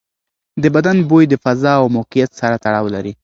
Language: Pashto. د بدن بوی د فضا او موقعیت سره تړاو لري.